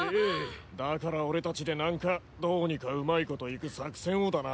だから俺たちでなんかどうにかうまいこといく作戦をだな。